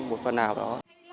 một phần nào đó